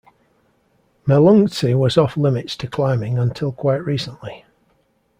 Melungtse was off limits to climbing until quite recently.